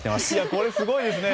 これ、すごいですね。